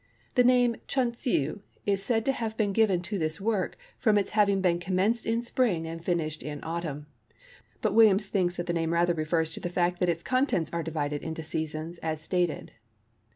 The name Chun Tsew is said to have been given to this work from its having been commenced in Spring and finished in Autumn, but Williams thinks that the name rather refers to the fact that its contents are divided into seasons as stated.